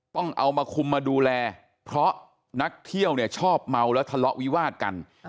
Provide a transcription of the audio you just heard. ต้องเอามาคุมมาดูแลเพราะนักเที่ยวเนี่ยชอบเมาแล้วทะเลาะวิวาดกัน